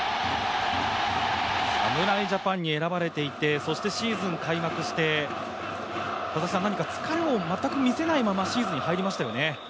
侍ジャパンに選ばれていて、そしてシーズン開幕して何か疲れを全く見せないまま、シーズンに入りましたよね。